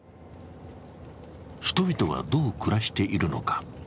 人々はどう暮らしているのか。